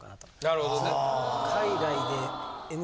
なるほどね。